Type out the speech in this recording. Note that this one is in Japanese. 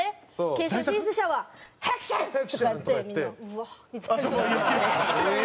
「決勝進出者はハクション！」とか言ってみんな「うわあ」みたいな。